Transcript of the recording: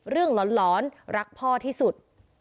เรื่องร้อนรักพ่อที่สุด